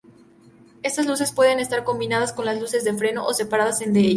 Estas luces pueden estar combinadas con las luces de freno, o separadas de ellas.